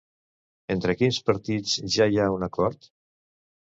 Entre quins partits ja hi ha un acord?